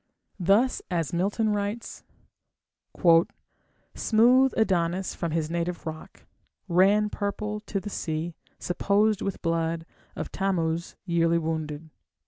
Thus as Milton writes: Smooth Adonis from his native rock Ran purple to the sea, supposed with blood Of Thammuz yearly wounded.